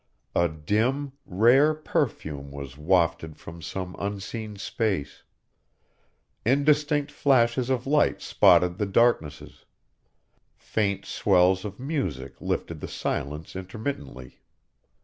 A dim, rare perfume was wafted from some unseen space; indistinct flashes of light spotted the darknesses; faint swells of music lifted the silence intermittently.